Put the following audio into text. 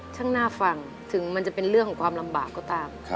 ช่างหน้าฟังถึงมันจะเป็นเรื่องของความลำบากก็ตาม